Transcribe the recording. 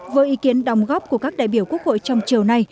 với ý kiến đồng góp của các đại biểu quốc hội trong chiều nay